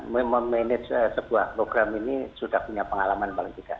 jadi memanajer sebuah program ini sudah punya pengalaman paling jika